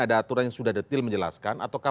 ada aturan yang sudah detil menjelaskan ataukah